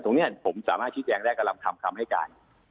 ตรงนี้ผมสามารถชี้แจงได้ก็ลำคำให้การ